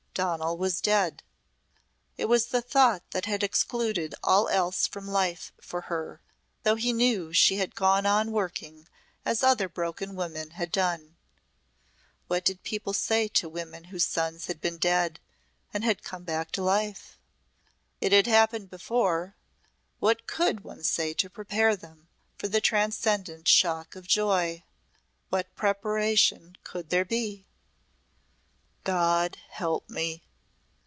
Donal was dead. It was the thought that had excluded all else from life for her, though he knew she had gone on working as other broken women had done. What did people say to women whose sons had been dead and had come back to life? It had happened before. What could one say to prepare them for the transcendent shock of joy? What preparation could there be? "God help me!"